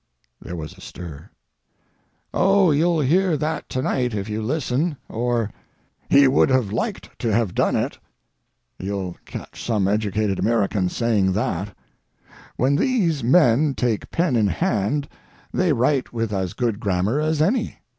[There was a stir.] Oh, you'll hear that to night if you listen, or, "He would have liked to have done it." You'll catch some educated Americans saying that. When these men take pen in hand they write with as good grammar as any.